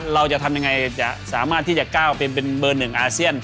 เราจะทำยังไงจะสามารถที่จะก้าวเป็นเบอร์๑อาเซียน